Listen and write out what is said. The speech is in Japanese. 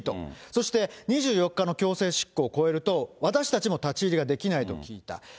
そして２４日の強制執行を超えると、私たちも立ち入りができないと聞いた。